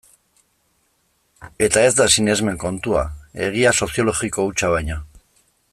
Eta ez da sinesmen kontua, egia soziologiko hutsa baino.